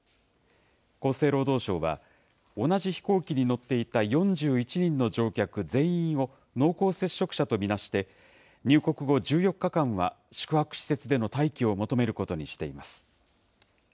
厚生労働省は、同じ飛行機に乗っていた４１人の乗客全員を濃厚接触者とみなして、入国後１４日間は宿泊施設での待機を求めることにしています。